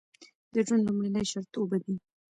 د ژوند لومړنی شرط اوبه دي.